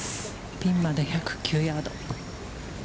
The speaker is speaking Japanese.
ピンまで１０９ヤード。